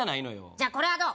じゃあこれはどう？